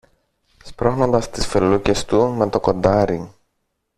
σπρώχνοντας τις φελούκες του με το κοντάρι.